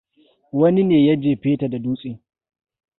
Wani ne ya jefe ta da dutse.